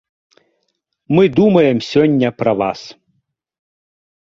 Мы думаем сёння пра вас.